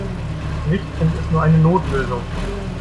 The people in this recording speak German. Richtfunk ist nur eine Notlösung.